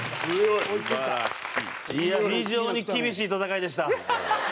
いや非常に厳しい戦いでした。